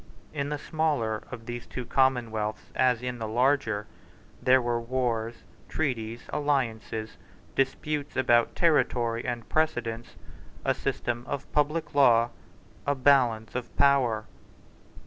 In the smaller of these two commonwealths, as in the larger, there were wars, treaties, alliances, disputes about territory and precedence, a system of public law, a balance of power.